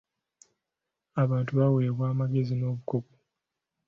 Abantu baawebwa amagezi n'obukugu.